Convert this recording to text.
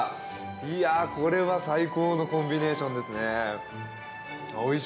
いやこれは最高のコンビネーションですね。